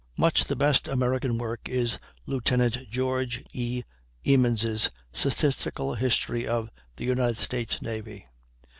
Much the best American work is Lieutenant George E. Emmons' statistical "History of the United States Navy."